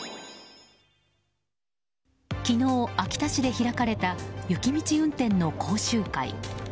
昨日、秋田市で開かれた雪道運転の講習会。